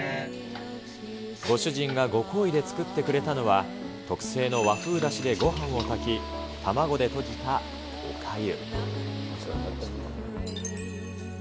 ご主人がご厚意で作ってくれたのは、特製の和風だしでごはんを炊き、卵でとじたおかゆ。